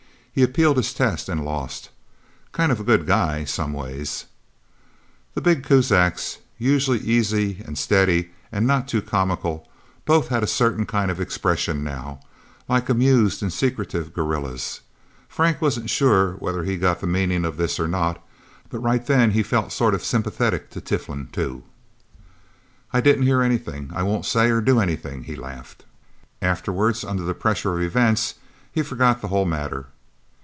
He appealed his test and lost. Kind of a good guy someways..." The big Kuzaks, usually easy and steady and not too comical, both had a certain kind of expression, now like amused and secretive gorillas. Frank wasn't sure whether he got the meaning of this or not, but right then he felt sort of sympathetic to Tiflin, too. "I didn't hear anything; I won't say or do anything," he laughed. Afterwards, under the pressure of events, he forgot the whole matter.